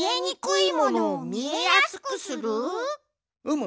うむ。